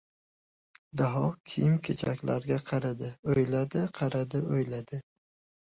Daho kiyim-kechaklarga qaradi, o‘yladi, qaradi — o‘yladi.